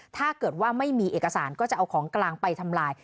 ถ้าเกิดว่าไม่มีเอกสารก็จะเอาของกลางไปทำลาย